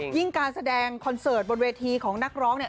ยิ่งการแสดงคอนเสิร์ตบนเวทีของนักร้อง